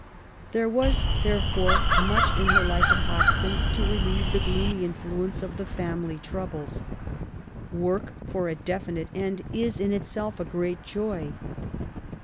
There was therefore much in her life at Hoxton to relieve the gloomy infiuence of the family troubles. Work for a definite end is in itself a great joy.